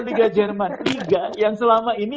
liga jerman tiga yang selama ini